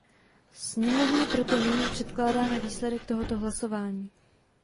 Sněmovně proto nyní předkládáme výsledek tohoto hlasování.